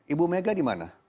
ibu mega di mana